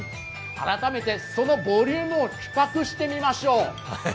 改めてそのボリュームを比較してみましょう。